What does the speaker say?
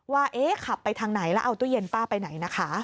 ว่าขับไปทางไหนแล้วเอาตู้เย็นป้าไปไหนนะคะ